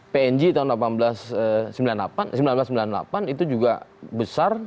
png tahun seribu sembilan ratus sembilan puluh delapan itu juga besar